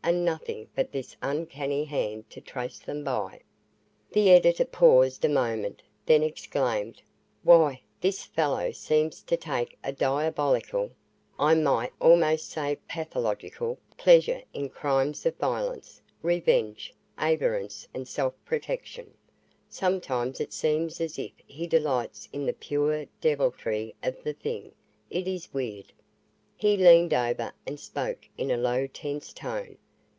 And nothing but this uncanny hand to trace them by." The editor paused a moment, then exclaimed, "Why, this fellow seems to take a diabolical I might almost say pathological pleasure in crimes of violence, revenge, avarice and self protection. Sometimes it seems as if he delights in the pure deviltry of the thing. It is weird." He leaned over and spoke in a low, tense tone.